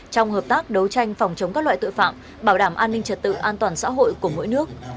trong hợp tác đấu tranh phòng chống các loại tội phạm bảo đảm an ninh trật tự an toàn xã hội của mỗi nước